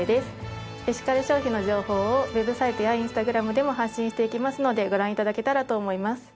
エシカル消費の情報をウェブサイトやインスタグラムでも発信していきますのでご覧頂けたらと思います。